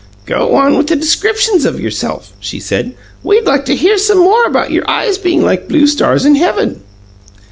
"Go on with the description of yourself," she said. "We'd like to hear some more about your eyes being like blue stars in heaven."